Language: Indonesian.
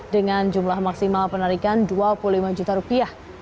dengan jumlah maksimal penarikan dua puluh lima juta rupiah